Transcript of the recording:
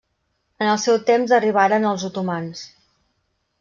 En el seu temps arribaren els otomans.